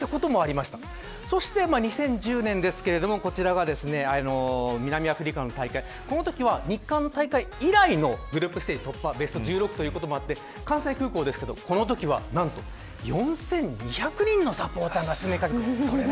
そして２０１０年ですが南アフリカの大会このときは日韓大会以来のグループステージ突破ベスト１６ということもあって関西空港ですがこのときは４２００人のサポーターが詰め掛けていました。